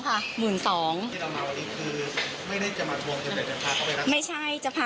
คือใจเค้าใจเรา